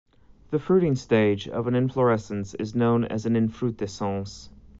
The fruiting stage of an inflorescence is known as an infructescence.